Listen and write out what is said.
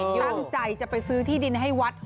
ตั้งใจจะไปซื้อที่ดินให้วัด